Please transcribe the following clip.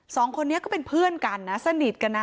สองคนนี้ก็เป็นเพื่อนกันนะสนิทกันนะ